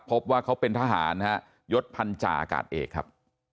พบว่าเขาเป็นทหารนะฮะยศพันธาอากาศเอกครับ